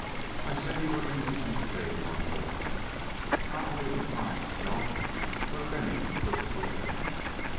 I say you are innocent as a babe unborn, not only of the crime itself but of any complicity in it.